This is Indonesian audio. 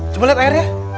coba lihat airnya